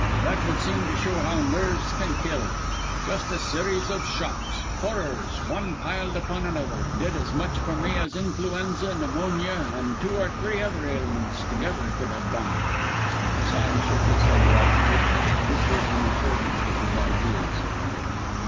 That would seem to show how nerves can kill. Just a series of shocks horrors one piled upon another, did as much for me as influenza, pneumonia, and two or three other ailments together could have done." Sime shook his head wisely; this was in accordance with his ideas.